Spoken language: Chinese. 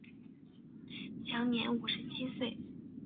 享年五十七岁。